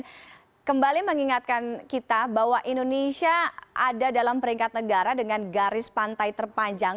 dan kembali mengingatkan kita bahwa indonesia ada dalam peringkat negara dengan garis pantai terpanjang